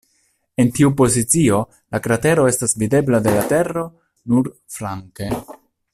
En tiu pozicio, la kratero estas videbla de la Tero nur flanke.